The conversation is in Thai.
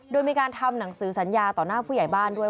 โดยมีการทำหนังสือสัญญาต่อหน้าผู้ใหญ่บ้านด้วย